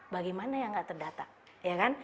bagaimana yang nggak terdata